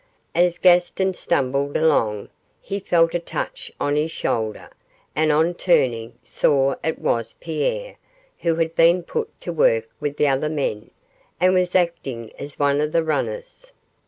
As Gaston stumbled along, he felt a touch on his shoulder, and on turning, saw it was Pierre, who had been put to work with the other men, and was acting as one of the runners.